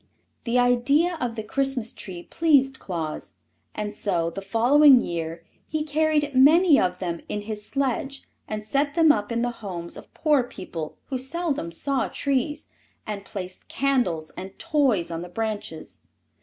The idea of the Christmas tree pleased Claus, and so the following year he carried many of them in his sledge and set them up in the homes of poor people who seldom saw trees, and placed candles and toys on the branches.